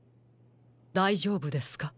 だいじょうぶですか？